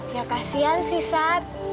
ya kasihan sih sat